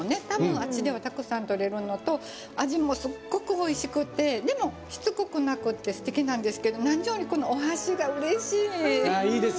あっちでは、たくさんとれるのと味もすっごくおいしくってでも、しつこくなくってすてきなんですけど何よりお箸がうれしい！